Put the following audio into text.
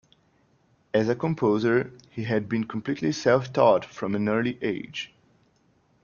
As a composer, he had been completely self-taught from an early age.